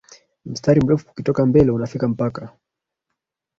mstari mrefu ukitoka mbele unafika mpakaa